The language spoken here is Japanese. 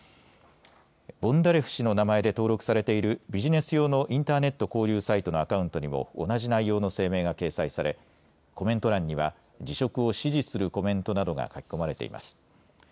ボンダレフ氏の名前で登録されているビジネス用のインターネット交流サイトのアカウントにも同じ内容の声明が掲載されコメント欄には辞職を支持するコメントなどが書き込まれています。